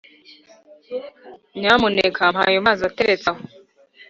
nyamuneka mpa ayo mazi ateretse aho.